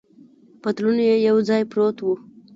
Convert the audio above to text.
پتلون یې یو ځای پروت و.